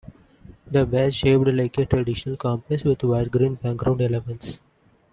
The badge shaped like traditional compass with white-green background elements.